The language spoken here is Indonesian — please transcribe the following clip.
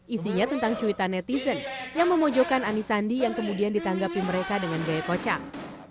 isinya tentang cuitan netizen yang memojokkan anisandi yang kemudian ditanggapi mereka dengan gaya kocang